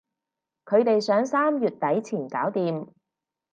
佢哋想三月底前搞掂